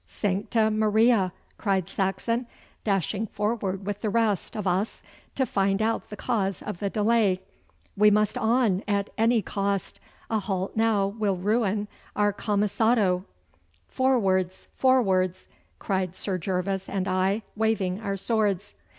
'Sancta Maria!' cried Saxon, dashing forward with the rest of us to find out the cause of the delay. 'We must on at any cost! A halt now will ruin our camisado.' 'Forwards, forwards!' cried Sir Gervas and I, waving our swords.